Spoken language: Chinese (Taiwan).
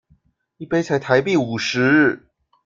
一杯才台幣五十